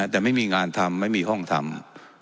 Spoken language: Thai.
แต่ไม่มีงานทำไม่มีห้องทำ